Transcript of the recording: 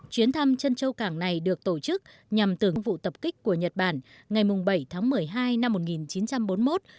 chuyến thăm trân châu cảng này được tổ chức nhằm tưởng vụ tập kích của nhật bản ngày bảy tháng một mươi hai năm một nghìn chín trăm bốn mươi một